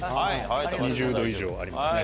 ２０度以上ありますね。